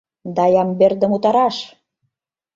Да Ямбердым утараш!